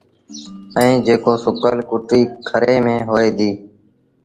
ائيٚݩ جيڪو سُڪل ڪُٽيٚ کري ميݩ هوئي ديٚ۔